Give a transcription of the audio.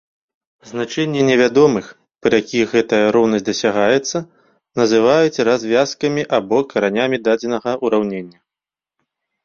Значэнні невядомых, пры якіх гэтая роўнасць дасягаецца, называюцца развязкамі або каранямі дадзенага ўраўнення.